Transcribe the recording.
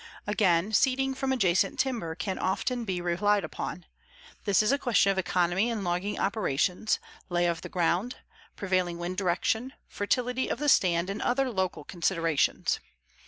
Again, seeding from adjacent timber can often be relied upon. This is a question of economy in logging operations, lay of the ground, prevailing wind direction, fertility of the stand and other local considerations.